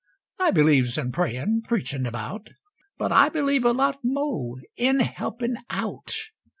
I believes in prayin', preachin' about, But believe a lot mo' in helpin' out.